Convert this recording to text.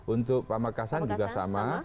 untuk pemekasan juga sama